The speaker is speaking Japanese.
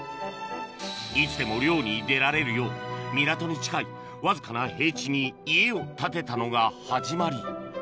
いつでも漁に出られるよう港に近いわずかな平地に家を建てたのが始まり